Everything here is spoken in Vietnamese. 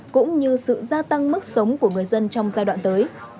cũng như sự gia tăng mức sống của người dân trong giai đoạn tới